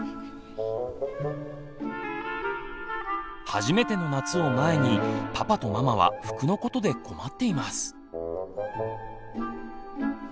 初めての夏を前にパパとママは服のことで困っています。